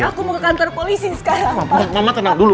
aku mau ke kantor polisi sekarang